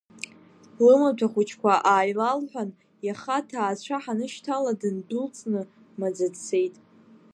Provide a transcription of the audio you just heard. Лымаҭәа хәыҷқәа ааилалҳәан иаха аҭаацәа ҳанышьҭала дындәылҵны маӡа дцеит.